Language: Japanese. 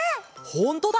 ほんとだ！